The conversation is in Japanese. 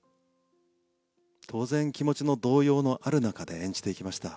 当然、気持ちの動揺のある中で演じていきました。